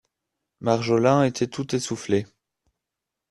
Marjolin était tout essoufflé.